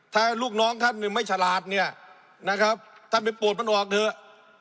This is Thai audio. ถ้าลูกน้องท่านหนึ่งไม่ฉลาดเนี่ยนะครับท่านไปปวดมันออกเถอะ